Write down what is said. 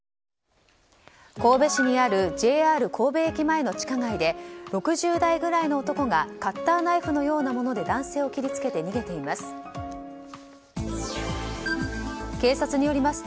神戸市にあるＪＲ神戸駅前の地下街で６０代ぐらいの男がカッターナイフのようなもので男性を切りつけて逃げています。